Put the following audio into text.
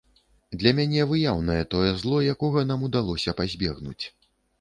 Для мяне выяўнае тое зло, якога нам удалося пазбегнуць.